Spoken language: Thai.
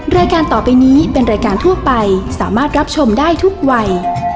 รายการต่อไปนี้เป็นรายการทั่วไปสามารถรับชมได้ทุกวัย